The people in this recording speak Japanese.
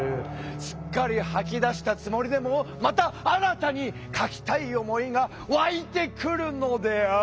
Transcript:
すっかりはき出したつもりでもまた新たに書きたい思いがわいてくるのである！